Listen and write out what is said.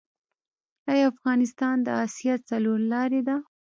آیا افغانستان د اسیا څلور لارې ده؟